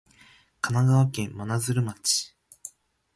神奈川県真鶴町